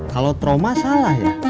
kalau trauma salah ya